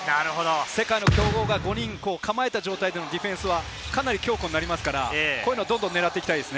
世界の強豪が５人構えた状態でのディフェンス、かなり強固になりますから、どんどんと狙っていきたいです。